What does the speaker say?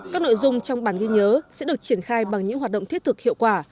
các nội dung trong bản ghi nhớ sẽ được triển khai bằng những hoạt động thiết thực hiệu quả